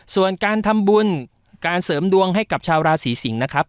ส่วนการทำบุญการเสริมดวงให้กับชาวราศีสิงศ์นะครับ